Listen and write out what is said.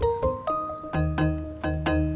ya semuanya buat tiga puluh orang